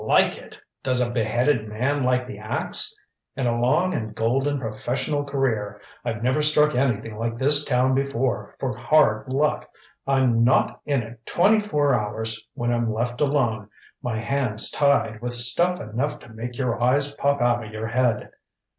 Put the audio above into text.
"Like it? Does a beheaded man like the ax? In a long and golden professional career, I've never struck anything like this town before for hard luck. I'm not in it twenty four hours when I'm left alone, my hands tied, with stuff enough to make your eyes pop out of your head.